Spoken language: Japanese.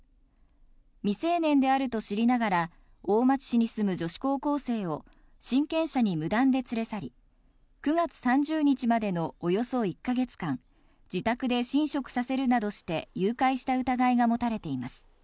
未成年であると知りながら、大町市に住む女子高校生を、親権者に無断で連れ去り、９月３０日までのおよそ１か月間、自宅で寝食させるなどして誘拐した疑いが持たれています。